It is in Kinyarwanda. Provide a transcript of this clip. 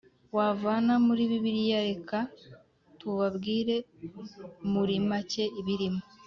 Wavana muri bibiliya reka tubabwire muri make ibirimo